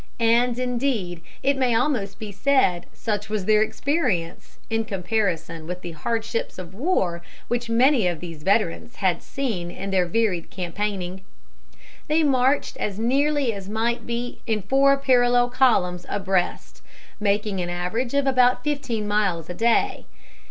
And, indeed, it may almost be said such was their experience in comparison with the hardships of war which many of these veterans had seen in their varied campaigning. They marched as nearly as might be in four parallel columns abreast, making an average of about fifteen miles a day.